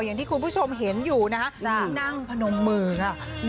อย่างที่คุณผู้ชมเห็นอยู่นะคะที่นั่งพนมมือค่ะ